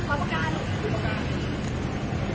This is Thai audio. สวัสดีครับคุณพลาด